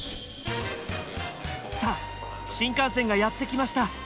さあ新幹線がやって来ました。